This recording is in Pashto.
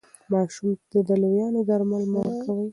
ماشوم ته د لویانو درمل مه ورکوئ.